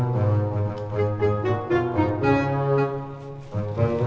abang sengaja ya